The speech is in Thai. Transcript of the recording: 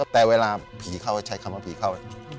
แต่เวลาผีเข้าใช้คำว่าผีเข้า